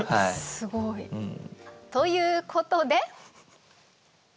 すごい。ということで。